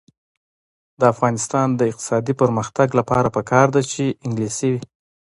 د افغانستان د اقتصادي پرمختګ لپاره پکار ده چې انګلیسي وي.